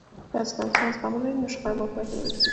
که انسان زغم ولري، نو شخړه به پای ته ورسیږي.